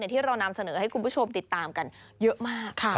ที่เรานำเสนอให้คุณผู้ชมติดตามกันเยอะมาก